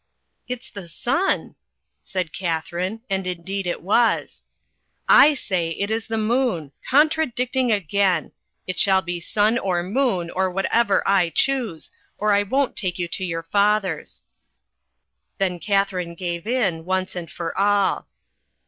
"It's the sun," said Katharine, and indeed it was. "I say it is the moon. Contradicting again! It shall be sun or moon, or whatever I choose, or I won't take you to your father's." Then Katharine gave in, once and for all.